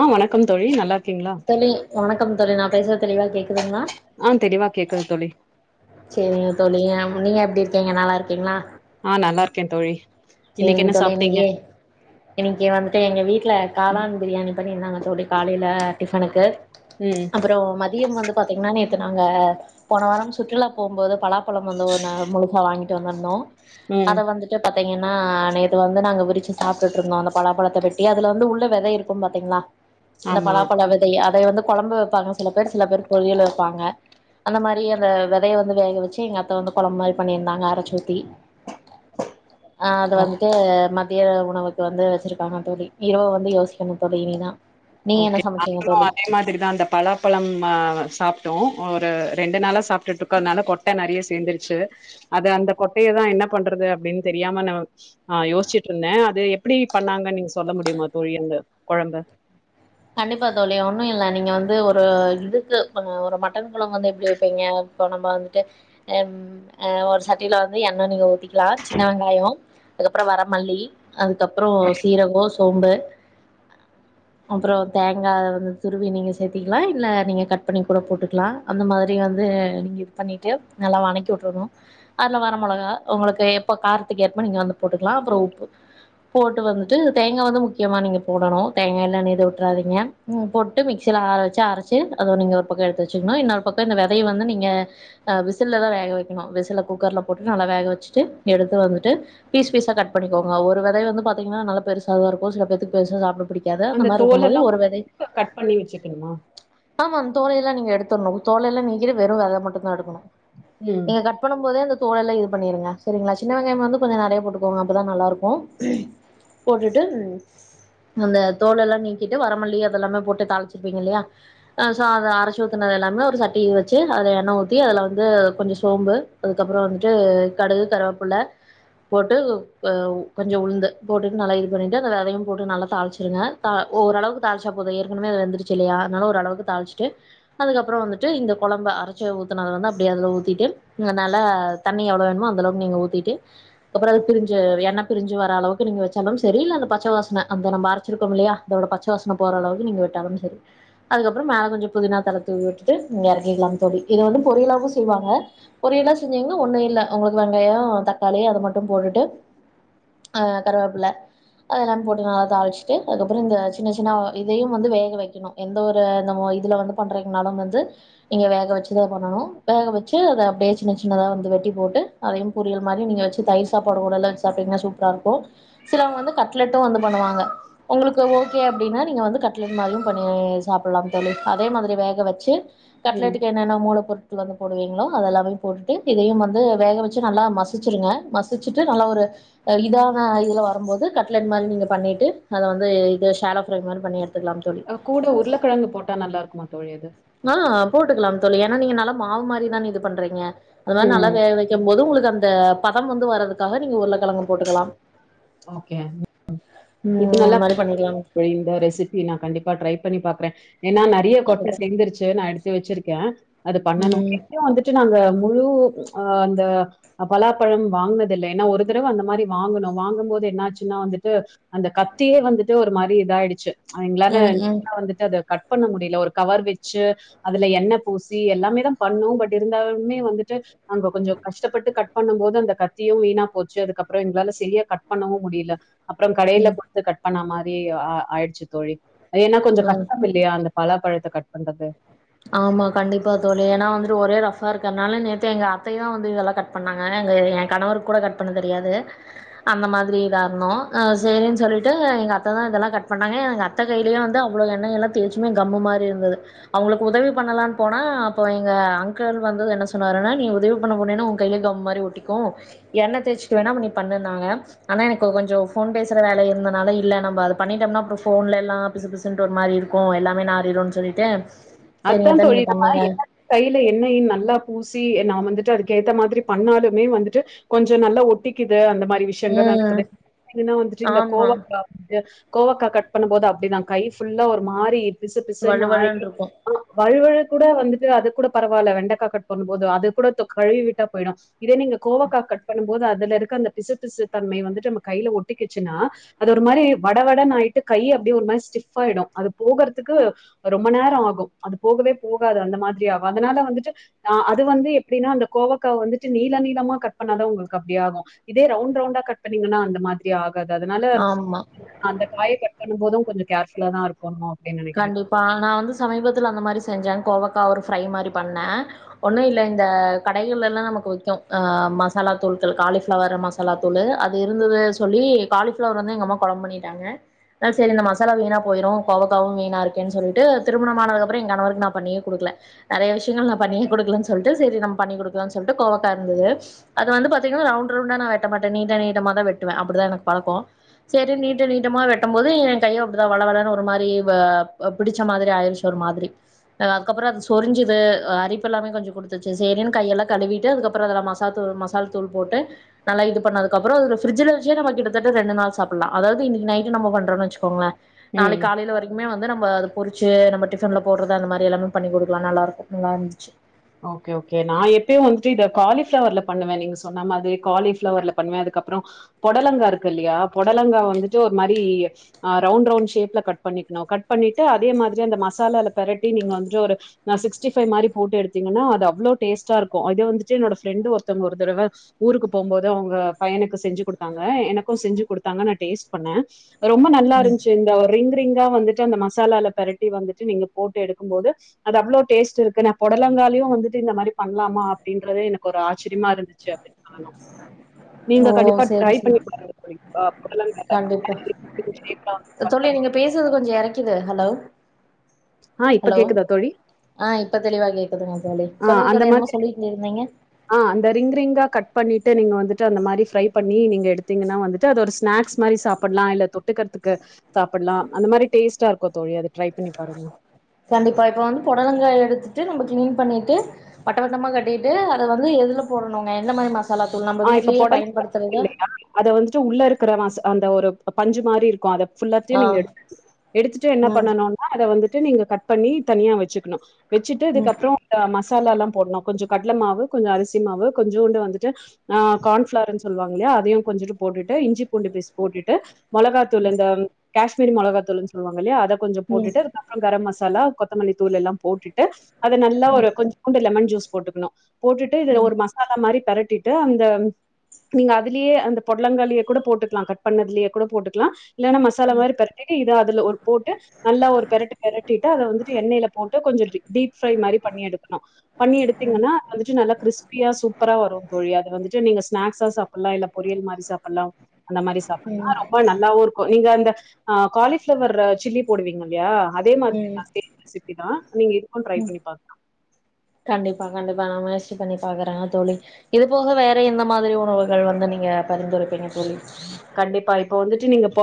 ஆஹ் வணக்கம் தோழி நல்லா இருக்கீங்களா தோழி வணக்கம் தோலி நான் பேசுறது தெளிவா கேக் துங்களா ஆ தெளிவா கேக்குது தோழி செரிங்க தோழி நீீங்க எப்படி இருக்கீங்க நல்லா இருக்கீங்களா ஆஹ் நல்லா இருக்கேன் தோழி இன்னைக்கு செரிங் என்ன தோழி சாப்ட்டீங்க இன்னைக்கு இன்னைக்கு வந்துட்டு எங்க வீட்டுல காளான் பிரியாணி பண்ணியிருந்தாங்க தோழி காலையில டிஃபனுக்கு ம் அப்புறம் மதியம் வந்து பாத்தீங்கன்னா நாங்க போன வாரம் சுற்றுலா போகும்போது பலாப்பழம் வந்து ஒன்னு முழுகா வாங்கிட்டு வந்திருந்தோம் ம் அத வந்துட்டு ப ஆனா நேத்து வந்து நாங்க விரிச்சு சாப்பிட்டு இருந்தோம் அந்த பலாப்பழத்தை பெட்டி அதுல வந்து உள்ள வெதை இருக்கும் பாத்தீங்களா அந்த ஆமா பலாப்பல வேதை அத வந்து கொழம்பு வெப்பாங்க சில பேர் சில பேர் பொரியல் வெப்பாங்க அந்த மாதிரி அந்த விதையை வந்து வேக வச்சு எங்க அத்த வந்து கொழம்பு மாதிரி பண்ணியிருந்தாங்க அரைச்சூத்தி ஆஹ் அது ஓகே வந்துட்டு ம பெதிய உணவுக்கு வந்து வெச்சிருக்காங்க தொழில் இரவு வந்து யோசிக்கண தோழி இனி தான் கேங்களும் அதே மாதிரிதான் அந்த பலாப்பழம் சாப்ப ஒரு ரெண்டு நாளா சாப்பிட்டுட்டு இருக்கோ அதனால கொட்டை நெறைய சேர்ந்துருச்சு அது அந்த கொட்டையதான் என்ன பண்றது அப்படின்னு தெரியாம நான் ஆஹ் யோசிச்சுட்டு இருந்தேன் அது எப்படி பண்ணாங்கன்னு நீங்க சொல்ல முடியுமா தோழி அந்த கொழம்பு கண்டிப்பா தோழி ஒன்னும் இல்ல நீங்க வந்து ஒரு இதுக்கு ஒரு மட்டன் குளம் வந்து எப்படி வெப்பீங்க இப்போ நம்ம வந்துட்டுஹஹ் ஒரு சட்டியில வந்து எண்ண நீங்க ஊத்த ல சின்ன வெங்காயம் அதுக்கப்புறம் வரமல்லி அதுக்கப்புறம் சீரகம் சோம்பு அப்புறம் தேங்காய் வந்து துருவி நீங்கள் சேர்த்திக்கலாம் இல்ல நீங்கள் கட் பண்ணி கூட போட்டுக்கலாம் அந்த மாதிரி வந்து நீங்கள் இது பண்ணிவிட்டு நல்லா வணக்கி விட்டுரணும் அதில் வர மிளகா உங்களுக்கு எப்போ காரத்துக்கு ஏற்ப நீங்கள் வந்து போட்டுக்கலாம் அப்புறம் உப்பு போட்டு வந்துட்டு தேங்காய் வந்து முக்கியமாக நீங்கள் போடணும் தேங்காய் எல்லாம் ந விட்டுராதீங்க போட்டு மிக்சீல ஆரவெச்சு அரைச்சு அதை நீங்க ஒரு பக்கம் எடுத்து வச்சுக்கணும் இன்னொரு பக்கம் இந்த வெதைய வந்து நீங்க வீசுல்லத வேகவேக்கனும் வீசுல்ல கூக்கர்ல போட்டு நல்ல வேக வெச்சுட்டு எடுத்து வந்துட்டு பீஸ் பீஸ் ஹா கட் பண்ணிக்குங்க ஒரு வேத வந்து பாத்தீங்களா அந்த தோல் எல்லாம் கட் பண்ணி வெச்சுக்கணுமா தோலை எல்லாம் நீங்க எடுத்துணும் தோைலல்ல நீங்கிற வெறும் வேதை மட்டும் தான் எடுக்கணும் ம் நீங்க கட் பண்ணும் போதே இந்த தொழெல்லாம் இது பண்ணிருங்க செரிங்களா சின் வெங்கயம் வந்து கொஞ்ச நெறைய போட்டு அப்பதான் நல்லா இருக்கும் போட்டுட்டு அந்த தோல் எல்லாம் நீக்கிட்டு வரமல்லி அதெல்லாமே போட்டு தாளிச்சிருப்பீங்க இல்லையா ஸோ அத அரைச்சு ஊற்றினது எல்லாமே ஒரு சட்டிை வச்சு அதை எண்ணெய் ஊற்றி அதில் வந்து கொஞ்சம் சோம்பு அதுக்கப்புறம் வந்துட்டு கடுகு கருவேப்பள்ள போட்டு கொஞ்சம் உளுந்து போட்டுட்டு நல்லா இது பண்ணிவிட்டு அந்த வெதையும் போட்டு நல்லா தாள்சிருங்க த ஓளவுக்கு தாளழிச்சா போத ஏற்கனவே அது வழுந்துருச்சு இல்லையா அதனால ஓ அளவுக்கு தாளிச்சிட்டு அதுக்கப்புறம் வந்துட்டு இந்த கொழம்ப அரைச்சு ஊற்றினதுல வந்து அப்படி அதில் ஊத்திட்டு நனால தண்ணி எவ்வளோ வேணுமோ அந்தளவுக்கு நீங்க ஊத்திட்டு அப்புறம் அது பிரிஞ்ச எண்ணெய பிரிஞ்சு வர அளவுக்கு நீங்க வச்சாலும் சரி இல்ல அந்த பச்சை வாசனை அந்த நம்ம அரைச்சி ச போற அளக்குால அதுக்கப்புறம் மேல கொஞ்சம் புதினா தள தூ விட்டுட்டு எறக்கிக்கலாம் இதை வந்து பொரியலும் செய்வாங்க பொரியலா செஞ்சங்கன்னா ஒன்னும் இல்ல உங்களுக்கு வெங்காயம் தக்காளி அதை மட்டும் போட்டுட்டு கருவேப்பில அத எல்லாம போட்டு நல்ல தளிச்சு அதுக்கப்றம் இந்த சின்ன சின்ன இதையும் வந்து வேக வெக்கணும் எந்த ஒரு இதுல வந்து பண்றிங்கனாலும் வந்து நீங்க வேக வெச்சுதா பண்ணணும் வேக வெச்சு அத பேஸ்ட் சின்ன சின்னதா வந்து வெட்டி போட்டு அதையும் பொறியல் மாதிரி நீங்க வெச்சு தயிர் சாப்பாடு கூட எல்லாம் வச்சு சாப்பிட்டீங்கன்னா சூப்பரா இருக்கும் சில வங்க வந்து கட்லெட்டும் வந்து பண்ணுவாங்க உங்களுக்கு ஓகே அப்படின்னா நீங்க வந்து கட்லெட் மாரியும் பண்ணி சாப்டலாம்ன தோழி அதே மாரி வேக வச்சு ம் கட்லேட்டுக்கு என்னென்ன மூளை பொருட்க வந்து போடுவீங்களோ அதெல்லாமே போட்டுட்டு இதையும் வந்து வேக வச்சு நல்லா மசிச்சிருங்க மச சுச்சுட்டு நல்ல ஒரு இதான இததுல வரும்போது கட்லட் மாரி நீங்க பண்ணிட்டு அதை வந்து இது ஷல ஃப்ரை மாரி பண்ணிடு ஆ கூட உருளைக்கிழங்கு போட்டா நல்லா இருக்குமா தோழி அது ஆ போட்டுக்கலாம் தோழி ஏன்னா நீங்க நல்லா மாவு மாரிதானே இது பண்றீங்க அது மாரி நல்லா ம் வேக வைக்கும் போது உங்களுக்கு அந்த இந்த பதம் வந்து வர்றதுக்காக நீங்க உருல கிழங்கு போட்டுக்கலாம் ஓகே இப்ப ம் நல்லா அது மாரி பண்ணிக்கலாம் இந்த ரெசிபி நான் கண்டிப்பா டரை பண்ணி பாக்குறேன் ஏன்னா நிறைய கொட்டை அதுதா சேந்துருச்சு நான் எடுத்து வச்சிருக்கேன் அது பண்ணனு ம் வந்துட்டு நாங்க முழு அந்த பலாப்பழம் வாங்கினத இல்லை ஏன்னா ஒரு தடவை அந்த மாரி வாங்கணும் வாங்க போது என்னாச்சுன்னா வந்துட்டு அந்த கத்தியே வந்துட்டு ஒரு மாரி இதாயிடுச்சு அவங்களானா ம் ம் வந்துட்டு அது கட் பண்ண முடியல ஒரு கவர் வச்சு அதுல எண்ணெய பூசி எல்லாமே தான் பண்ணோம் பட் இருந்தாலமே வந்துட்டு நாங்க கொஞ்சம் கஷ்டப்பட்டு கட் பண்ணும் போது அந்த கத்தியும் வீணா போச்சு அதுக்கப்புறம் எங்களால சொ கட் பண்ணவும் முடியல அப்புறம் கடையில ம் கொடுத்து கட் பண்ணாமா ஆயிடுச்சு தோழி ஏன்னா கொஞ்சம் ம் கஷ்டம் இல்லையா அந்த பலாப்பழத்தை கட் பண்றது ஆமா கண்டிப்பா தோழி ஏன்னா வந்துட்டு ஒரே ரஃபா இருக்கிறதுனால நேத்து எங்க அத்தைையதான் வந்து இதெல்லாம் கட் பண்ணாங்க எங்க என் கணவருக்கு கூட கட் பண்ண தெரியாது அந்த மாரி இதா இருந்தும் சரின்னு சொல்லிட்டு எங்க அத்தைான் இதெல்லாம் கட்ட பண்ணாங்க எங்க அத்த கையிலேயு வந்து அவ்ள எண்ண எல்லாம் தேயச்சுமே கம் மாரி இருந்தது அவங்களுக்கு உதவி பண்ணலான்னு போனா அப்போ எங்க அங்கிள் வந்து என்ன சொன்னாருன்னா நீ உதவி பண்ண போனன்னா உங்க கையே கம் மாதிரி ஒட்டிக்கும் என்ண்ணனய்சுிட்டு வேணா நீ பண்ணிருந்தாங்க ஆனா எனக்கு கொஞ்சம் ஃபோன் பேசுற வேலை இருந்தனால இல்லை நம்ம அதை பண்ணிட்டோம்னா அப்புறம் போபன்ல எல்லாம் பிசு பிசுனுட்டு ஒரு மாதிரி இருக்கும் எல்லாமே நாறிடும்ம்ன்னனு சொல்லிட்டு சரிங்க அதுதான் அதா நீங்க தொழில் நாம பண்ணுங்க என்ன கையில என்னையும் நல்லா பூசி நான் வந்து ட்டு அதுக்கு ஏத்த மாதிரி பண்ணாலுமே வந்துட்டு கொஞ்சம் நல்லா ஒட்டிக்குது அந்த மாரி விஷயங்கள் ம் நடக்குதுன்னா வந்துட்டு இந்த ஆமா கோவாந்து கோவக்கா கட் பண்ணும்ப போது அப்படிதான் கை ஃபுல்லா ஒரு மாறி வலுவலனு இருக்கும் வழுவழுு கூட வந்துட்டு அது கூட பரவால்ல வெண்டைக்காய் கட் பண்ணும் போது அது கூட கழுவி விட்டா போயிடும் இதே நீங்க கோவக்காய் கட் பண்ணும்போது அதுல இருக்க அந்த பிசு திசு தன்மை வந்துட்டு நம்ம கையில ஒட்டிிக்கிச்சுன்னா அது ஒரு மாரி வட வட நாயிட்டு கை அப்படியே ஒரு மாரி ஸ்டிஃப் ஆயிடும் அது போகறதுக்கு ரொம்ப நேரம் ஆகும் அது போகவே போகாது அந்த மாதிரி ஆகும் அதனால வந்துட்டு அது வந்து எப்படின்னா அந்த கோவக்காய் வந்துட்டு நீல நீளமா கட் பண்ணாதான் உங்களுக்கு அப்படி ஆகும் இதே ரவுண்ட் ரவுண்டா கட் பண்ணீங்கன்னா அந்த மாதிரி ஆகும் து அதனால ஆமா அந்த காய கட் பண்ணும் போதும் கொஞ்சம் கேர்ஃபுல்ல தான் இருக்கணும் அப்படின்னு நினைக்கிறேன் கண்டிப்பா நான் வந்து சமீபத்து துல அந்த மாரி செஞ்சாங் கோவக்கா ஒரு ஃப்ரையி மாரி பண்ணே ஒன்னு இல்ல இந்த கடைகள்லல்லா நமக்கு விக்கும் அ மசாலா தூள்கள் காளிஃப்ளவரு மசாலா தூளு அது இருந்துது சொல்லி காளிஃப்ளவர் வந்து எங்கம்மா கொழம் பண்ணிட்டாங்க நா சேரி அந்த மசாலா வீணா போயிரு கோவ க்காவு வீணா இருக்கு சொல்ட்டு திருமணமானதுக்கப்றோ எங்கணவருக்கு நா பண்ணியே குடுக்கல நெறைய விஷயங்கள் நா பண்ணியே குடுக்கலன் சொல்ட்டு சேரி நம்ம பண்ணி குடுக்கலான் சொல்ட்டு கோவக்கா இருந்துது அத வந்து பாத்தீங்கனா ரவுண் ரவுண்டா நா வெட்ட மாட்டே நீட்ட நீட்டமா தா வெட்டுவே அப்புடிதா எனக்கு பழக்கோ செரி நீட்ட நீட்டமா வெட்டம்போது எ கையு அப்டிதா வழவழன்னு ஒரு மாரி வ அப் பிடிச்ச மாதிரி ஆயிர்ச்சு ஒரு மாதிரி அதுக்கப்றோ சொரிஞ்சிது அரிப்பெல்லாமே கொஞ்ச குடுத்துச்சு சேரின்னு கையெல்லா கழுவிட்டு அதுக்கப்பறோ அதுல மசா தூள் மசால் தூள் போட்டு நல்லா இது பண்ணதுக்கப்றொ அதுல ஃப்ரிஜ்ஜுல வச்சே நம்ம கிட்டதட் ட ரெண்டு நாள் சாப்புட்லா அதாவது இன்னைக்கு நைட்டு நம்ம பண்றொனு வச்சிக்கோங்க உம் நாளைக் காலையில வரைக் க்மே வந்து நம்ம அத பொரிச்சு நம்ம டிஃபன்ல போட்றது அந்த மாரி எல்லாமே பண்ணி குடுக்லா நல்லாருக்கு நல்லா இருந்துச்சி ஓகே ஓகே நா எப்பயு வந்துட்டு இத காலிஃப்ளவர்ல பண்ணுவே நீங்க சொன்ன மாதிரி காலிஃப்ளவர்ல பண்ணுவே அதுக்கப்றொ பொடலங்காருக்கு இல்லையா பொடலங்கா வந்துட்டு ஒரு மாரி அ ரவுண்ட்டு ரவுண்ட் ஷேப்ல கட் பண்ணிக்ணு கட் பண்ணிட்டு அதே மாதிரி அந்த மசாலால பெரட்டி நீங்க வந்துட்டு ஒரு நா சிக்ஸ்டி ஃபை மாரி போட்டு எடுத் திங்கனா அது அவ்ளோ டேஸ்ட்டா இருக்கு இது வந்துட்டு என்னோட ஃப்ரெண்டு ஒருத்தங்க ஒரு தடவ ஊருக்கு போம்போது அவங்க பையனுக்கு செஞ்சு குடுத்தாங்க எனக்கு செஞ்சு குடுத்தாங்க நா டேஸ்ட் பண்ணெ ரொம்ப நல்லா ம் இருந்ச்சு இந்த ரிங் ரிங் கா வந்துட்டு அந்த மசாலால பெரட்டி வந்துட்டு நீங்க போட்டு எடுக்கும் போது அது அவ்ளோ டேஸ்ட் இருக்கு நா போட் டலங்காலையு வந்துட்டு இந்த மாரி பண்லாமா அப்டின்றதே எனக்கொரு ஆச் சிர்மா இருந்துச்சி அப்டின் சொல்லனு நீங்க ஓ கண்டிப்பா சேரி ட்ரை பண்ணி சேரி பாருங்க போய் ஆ பொடலங்கால கண்டிப்பா [unintelligible] கிது ஹலோ ஆ இப்ப ஹலோ கேக்குதா தோழி ஆஹ் இப்ப தெளிவா கேக் க்குதுங்க தோழி ஆ சொல்லுங்க அந்த தோழி என்னமா மாதிரி சொல்லிட்டு இருந்தீங்க ஆ அந்த ரிங் ரிங்கா கட் பண்ணிட்டு நீங்க வந்துட்டு அந்த மாரி ஃப்ரை பண்ணி நீங்க எடுத்திங்கனா வந்துட்டு அது ஒரு ஸ்நேக்ஸ் மாரி சாப்புட்லா இல்ல தொட்டுக்றதுக்கு சாப்புட்லா அந்த மாரி டேஸ்ட்டா இருக்கு தோழி அது ட்ரை பண்ணி பாருங்க கண்டிப்பா இப்ப வந்து பொடலங்கா எடுத்துட்டு நம்ம க்ளீன் பண்ணிட்டு வட்டவட்டமா கட்டிட்டு அத வந்து எதுல போடணுங்க எந்த மாரி மச ஆஹ் இப்ப பொடலங்கா இருக்கு இல்லையா அத வந்துட்டு உள்ள இருக்ற மச அந்த ஒரு பஞ்சு மாரி இருக்கூ அத ஃபுல்லாத்தையு ஆ நீங்க எடுத்து என்ன ம் பண்ணனுனா அத வந்து ட்டு நீங்க கட் பண்ணி தனியா வச்சுக்கணு வெச்சுட்டு ம் இதுக்கப்றோ அ மஸ் மசாலலா போட்னு கொஞ்ச கட்ல மாவு கொஞ்ச அரிசி மாவு கொஞ்சோன்டு வந்துட்டு ஆஹ் கான்ஃபளார்னு சொல்லுவாங்கல்ல அதையு கொஞ்சோன்டு போட்டுட்டு இஞ்சி பூண்டு பேஸ்ட் போட்டுட்டு மொளகாத்தூளு இந்தம் கேஷ்மீரி மொளத்தூள்னு சொல்வாங்க இல்லயா அத கொஞ்ச ம் ம் போட்டுட்டு அதுக்கப்பற கரம் மசா தலா கொத்தமல்லி தூளு எல்லா போட்டுட் டு அத நல்ல ஒரு ம் கொஞ்சோன்டு லெமன் ஜூஸ் போட்டுக்கணு போட்டுட்டு இதுல ஒரு மசாலா மாரி பெரட்டிட் டு அந்த நீங்க அதுலயே அந்த பொட்லங்காலே கூட போட்டுக்லா கட் பண்ணதுலே கூட போட்டுக்லா இல்லனா மசாலா மாரி பெரட்டிட்டு இத அதுல ஒரு போட்டு நல்லா ஒரு பெரட்டு பெரட்டிட்டு அத வந்துட்டு எண்ணெய்ல போட்டா கொஞ்சம் டீப் ஃப்ரை மாரி பண்ணி எடுக்கணு பண்ணி ம் எடுக்குறீனா அது நல்லா கிறிஸ்பியா சூப்பராக வரு அது வந்துட்டு நீங்க ஸ்நாக்ஸ் ச சாப் சப்டலா இல்ல பொரியல் மாரி சாப்டலா அந்த மாரி சாப்டலா ம் ரொம்ப நல்லாவு இருக்கோ நீங்க அந்த ஹ் காலிஃபளவர் சில்லி போடுவீங்க இல்லயா அதே ம் மாரிதா சேம் ரெசிபி தா நீங்க இதுக்கு ட்ரை ம் பண்ணி பாக்கலா வ நா முயற்சி பண்ணி பாக்குற தோழி இது போக வேற எந்த மாதிரி உணவுகள் வந்து நீங்க பரிந்துரைப்பீங்க தோழி கண்டிப்பா இப்ப வந்துட்டு நீங்க பொ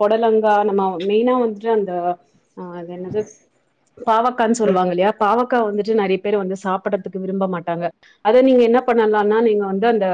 பொடலங்கா நம்ம மெயினா வந்துட்டு அந்த அஹ் என்னது பாவக்கனு சொல்லுவாங்க லயா பாவக்கா வந்துட்டு நறைய பேர் வந்து சாப்டுறதுக்கு விரும்ப மாட்டாங்க அத நீங்க என்ன பண்ணலானா நீங்க வந்து அந்த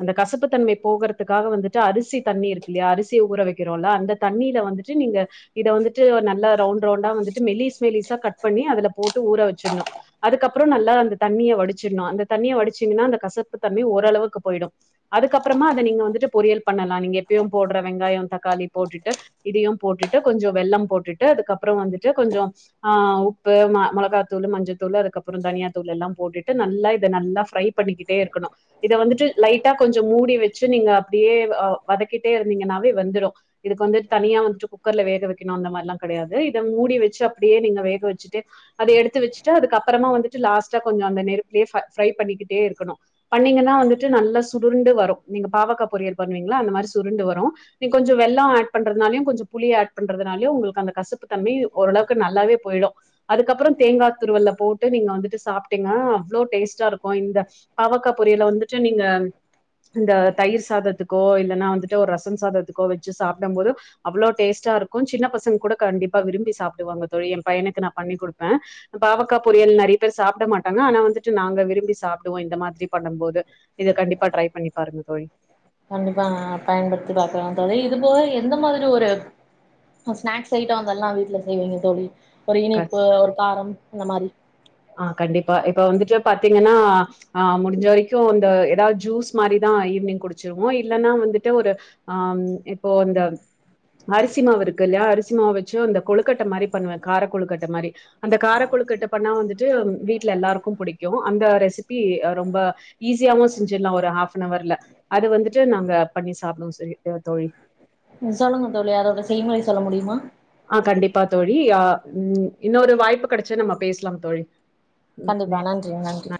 அந்த கசப்புத்தன்மை போகறதுக்காக வந்துட்டு அரிசி தண்ணி இருக்குலயா அரிசிய ஊர வக்கிறோல அந்த தண்ணில வந்துட்டு நீங்க இத வந்துட்டு நல்லா ரவுண்ட் ரவுண்டா வந்துட்டு மெலிஸ் மெலிசா பண்ணி அதுல போட்டு ஊற வச்சுறனோ அதுக்கப்றோ நல்லா அந்த தண்ணிய வடிச்சுடனோ அந்த தண்ணிய வடிச்சீங்கன்னா அந்த கசப்பு தண்ணி ஓரளவுக்கு போயிடோ அதுக்கப்றமா அத நீங்க வந்துட்டு பொறியல் பண்ணலா நீங்க எப்பயு போடுற வெங்காயோ தக்காளி போட்டுட்டு இதையு போட்டுட்டு கொஞ்சோ வெள்ளமு போட்டுட்டு அதுக்கப்றோ வந்துட்டு கொஞ்சோ ஆஹ் உப்பு ம மொளகாத்தூளு மஞ்சத்தூறு அதுக்கப்றோ தனியாத்தூறு எல்லா போட்டுட்டு நல்லா இதை நல்லா ஃப்ரை பண்ணிக்கிட்டே இருக்கணோ இத வந்துட்டு லைட்டா கொஞ்சோ மூடி வச்சு நீங்க அப்டியே அ வதக்கிட்டே இருந்தீங்கனாவே வெந்துடோ இதுக்கு வந்துட்டு தனியா வந்துட்டு குக்கர்ல வேக வைக்கணோ அந்த மாரி எல்லா கடையாது இத மூடி வச்சு அப்டியே நீங்க வேக வச்சுட்டு அத எடுத்து வச்சுட்டு அதுகப்றமா வந்துட்டு லாஸ்டா கொஞ்சோ அந்த நெருப்பலயே ஃபரை பண்ணிக்கிட்டே இருக்கணோ பன்னீங்கன வந்துட்டு நல்லா சுடுண்டு வரு நீங்க பாவக்கா பொரியல் பண்ணுவீங்க ங்களோ அந்த மாரி சுருண்டு வரோ நீ கொஞ்சோ வெல்லோ ஆட் பண்றதுனாலயே கொஞ்சோ புளிய ஆட் பண்றதுனாலயே உங்ளுக்கு கசப்பு தன்மை ஓரளவுக்கு நல்லாவே போயிடோ அதுக்கப்றோ தேங்கா துருவல போட்டு நீங்க வந்து சாப்டிங்கனா அவ்ளோ டேஸ்டா இருக்கோ இந்த பாவக்கா பொரியல வந்துட்டு நீங்க இந்த தயிர் சாதத்துக் க்கோ இல்லன்னா வந்துட்டு ஒரு ரசந் சாதத்துக்கோ வச்சு சாப்டும் போது அவ்ளோ டேஸ்ட்டா இருக்கோ சின்ன பசங்க கூட கண்டிப்பா விரும்பி சாப்டுவாங்க தோழி என் பையனுக்கு நா பண்ணி குடுப்பே பாவக்கா பொரியல் நறைய பேர் சாப்ட மாட்டாங்க ஆனா வந்துட்டு நாங்க விரும்பி சாப்டுவோ இந்த மாரி பண்ணும் போது இதை கண்டிப்பா ட்ரை பண்ணி பாருங்க தோழி கண்டிப்பா பயன்படுத்தி பாக்குற தோழி இது போல எந்த மாதிரி ஒரு ஸ்நாக்ஸ் ஐட்டோ அது எல்லா வீட்டுல செய்வீங்க தோழி ஒரு இனிப்பு ஒரு காரம் இந்த மாரி ஆஹ் கண்டிப்பா இப்ப வந்துட்டு பாத்தீங்கனா ஆ முடிஞ்ச வரைக்கோ அந்த ஏதாவது ஜூஸ் மாரிதா ஈவினிங் குடிச்சிருவோ இல்லனா வந்துட்டு ஒரு ஆ இப்போ அந்த அரிசி மாவு இருக்கு இல்லயா அரிசி மாவ வச்சு அந்த கொழுக்கட்டை மாரி பண்ணுவே கார கொழுக்கட்டை மாரி அந்த காரக்குழுக்கட்டை பண்ணா வந்துட் ட்டு வீட்டுல எல்லாருக்கோ பிடிக்கோ அந்த ரெசிபி ரொம்ப ஈஸியாவோ செஞ்சிலா ஒரு ஹாஃபன் அவர்ல அது வந்துட்டு நாங்க பண்ணி சாப்டுவோ தோழி தோழி ம் சொல்லங்க தோழி அதோட செய்முறை சொல்ல முடியுமா ஆஹ் கண்டிப்பா தோழிஹ் உம் இன்னொரு வாய்ப்பு கிடைச்சா நம்ம பேசலாம் தோழி ம் நே கண்டிப்பா நன்றி நன்றி ந